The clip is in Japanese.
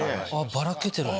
ばらけてる。